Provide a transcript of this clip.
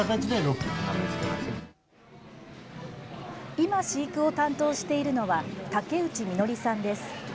今飼育を担当しているのは竹内みのりさんです。